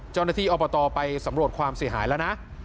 เจ้าหน้าที่อบตไปสำรวจความเสียหายแล้วนะ